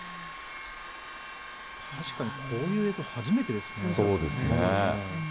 確かにこういう映像、そうですね。